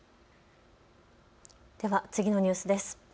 では次のニュースです。